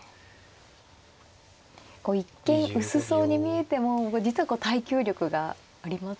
こう一見薄そうに見えても実はこう耐久力がありますよね。